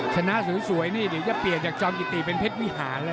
ชนะสวยนี่ดีอย่าเปลี่ยนจากจองกิติเป็นเพชวิหาแล่ะ